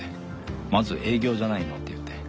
まず営業じゃないのって言うて。